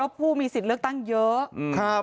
ครบเพื่อพ่อมีสิทธิ์เลือกตั้งเยอะครับ